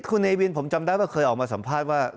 คุณเนวินผมจำได้ว่าเคยออกมาสัมภาษณ์ว่า